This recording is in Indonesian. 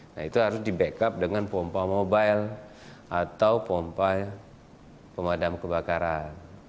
nah itu harus di backup dengan pompa mobile atau pompa pemadam kebakaran